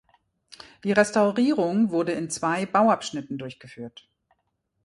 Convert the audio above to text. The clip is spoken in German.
Die Restaurierung wurde in zwei Bauabschnitten durchgeführt.